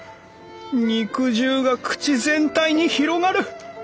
肉汁が口全体に広がる。